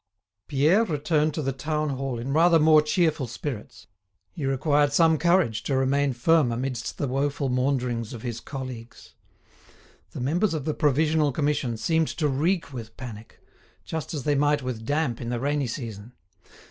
Pierre returned to the town hall in rather more cheerful spirits. He required some courage to remain firm amidst the woeful maunderings of his colleagues. The members of the Provisional Commission seemed to reek with panic, just as they might with damp in the rainy season.